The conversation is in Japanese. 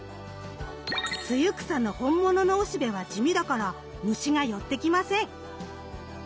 ツユクサの本物のおしべは地味だから虫が寄ってきません。